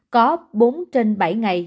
có bốn trên bảy ngày